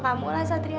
kamu ngomong begitu